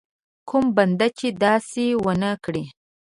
کوم بنده چې داسې ونه کړي.